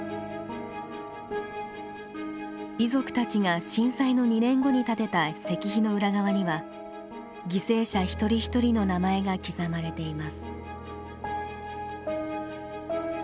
遺族たちが震災の２年後に建てた石碑の裏側には犠牲者一人一人の名前が刻まれています。